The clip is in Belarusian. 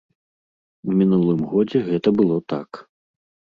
У мінулым годзе гэта было так.